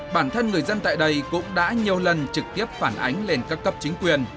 bản thân người dân tại đây cũng đã nhiều lần trực tiếp phản ánh lên các cấp chính quyền